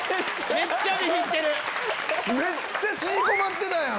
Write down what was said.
めっちゃ縮こまってたやん！